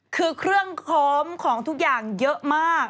คือเครื่องพร้อมของทุกอย่างเยอะมาก